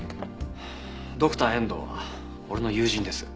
ドクター遠藤は俺の友人です。